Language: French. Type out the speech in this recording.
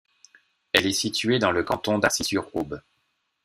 Elle est située dans le canton d'Arcis-sur-Aube.